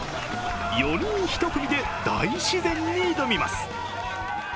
４人１組で大自然に挑みます。